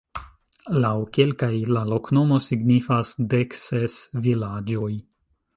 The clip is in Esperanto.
Laŭ kelkaj la loknomo signifas: dek ses vilaĝoj.